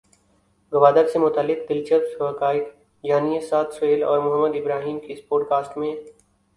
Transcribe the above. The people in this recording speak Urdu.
گوادر سے متعلق دلچسپ حقائق جانیے سعد سہیل اور محمد ابراہیم کی اس پوڈکاسٹ میں۔